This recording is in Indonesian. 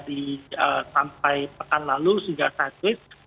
ya sampai pekan lalu sehingga saat ini